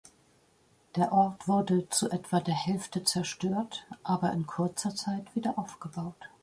Der Ort wurde zu etwa der Hälfte zerstört, aber in kurzer Zeit wieder aufgebaut.